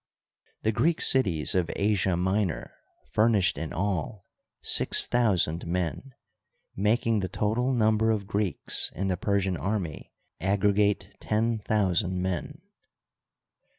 The Greek cities of Asia Minor furnished in all six thousand men, making the total number of Greeks in the Persian army aggregate ten thousand men.